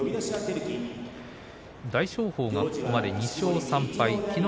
大翔鵬が、ここまで２勝３敗。